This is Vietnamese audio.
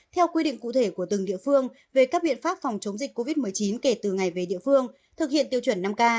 theo quy định cụ thể của từng địa phương về các biện pháp phòng chống dịch covid một mươi chín kể từ ngày về địa phương thực hiện tiêu chuẩn năm k